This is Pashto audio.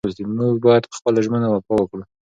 موږ باید په خپلو ژمنو وفا وکړو.